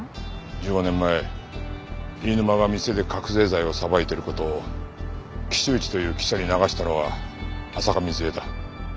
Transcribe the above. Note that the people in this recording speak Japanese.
１５年前飯沼が店で覚せい剤をさばいてる事を岸内という記者に流したのは浅香水絵だ。